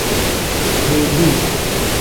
Beeduu.